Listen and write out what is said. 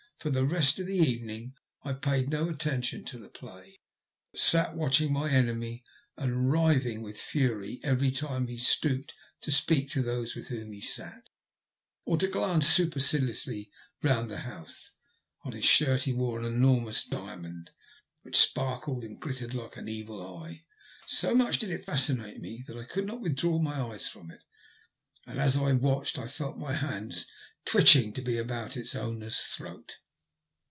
For the rest of the evening I paid no attention to the play, but sat watching my enemy, and writhing with fury every time he stooped to speak to those with whom he sat, or to glance superciliously round the house. On his shirt front he wore an enormous diamond, which sparkled and glittered like an evil eye. So much did it fascinate me that I could not withdraw my eyes from it, and as I watched I felt my hands twitching to be about its owner's throat.